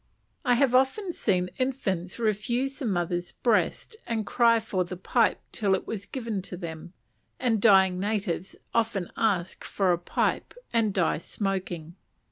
I have often seen infants refuse the mother's breast, and cry for the pipe till it was given to them; and dying natives often ask for a pipe, and die smoking.